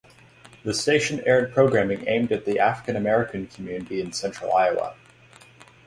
The station aired programming aimed at the African American community in central Iowa.